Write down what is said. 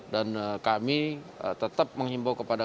dan kami tetap menghimbau kepada